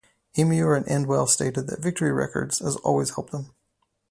Emmure and Endwell stated that Victory Records has always helped them.